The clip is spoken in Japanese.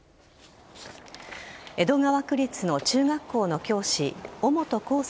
江戸川区立の中学校の教師尾本幸祐